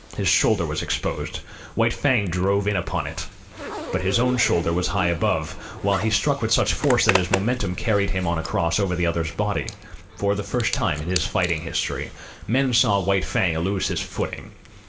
His shoulder was exposed. White Fang drove in upon it: but his own shoulder was high above, while he struck with such force that his momentum carried him on across over the other's body. For the first time in his fighting history, men saw White Fang lose his footing.